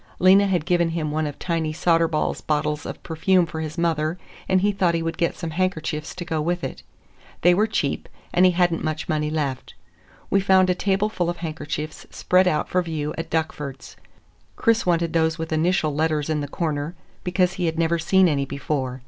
Lena had given him one of Tiny Soderball's bottles of perfume for his mother, and he thought he would get some handkerchiefs to go with it. They were cheap, and he had n't much money left. We found a tableful of handkerchiefs spread out for view at Duckford's. Chris wanted those with initial letters in the corner, because he had never seen any before.